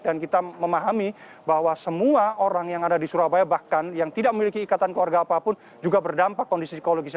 dan kita memahami bahwa semua orang yang ada di surabaya bahkan yang tidak memiliki ikatan keluarga apapun juga berdampak kondisi psikologisnya